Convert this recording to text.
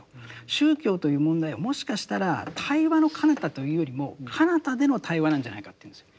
宗教という問題はもしかしたら対話のかなたというよりもかなたでの対話なんじゃないかって言うんですよ。